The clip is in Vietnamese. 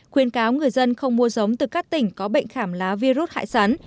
khuyên cáo người dân không mua giống từ các tỉnh có bệnh khảm lá virus hại sắn